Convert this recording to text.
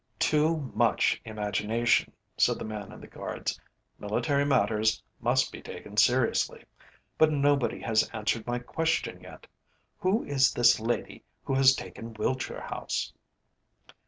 "Too much imagination," said the man in the Guards; "military matters must be taken seriously. But nobody has answered my question yet. Who is this lady who has taken Wiltshire House?"